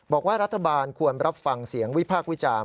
บอกว่ารัฐบาลควรรับฟังเสียงวิพากษ์วิจารณ์